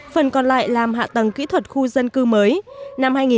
phần còn lại làm hạ tầng kỹ thuật khu dân cư mới